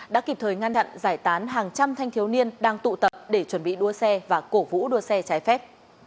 đã kịp thời ngăn chặn giải tán hàng trăm thanh thiếu niên đang tụ tập để chuẩn bị đua xe và cổ vũ đua xe trái phép